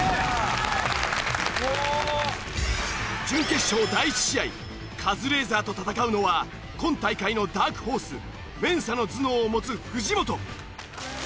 準決勝第１試合カズレーザーと戦うのは今大会のダークホースＭＥＮＳＡの頭脳を持つ藤本。